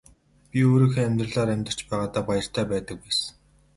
Би өөрийнхөө амьдралаар амьдарч байгаадаа баяртай байдаг байсан.